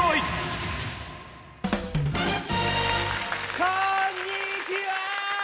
こんにちは！